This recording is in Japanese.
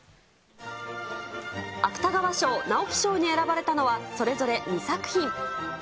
芥川賞・直木賞に選ばれたのは、それぞれ２作品。